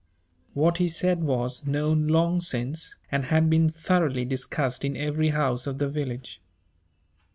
What he said was known long since, and had been thoroughly discussed in every house of the village.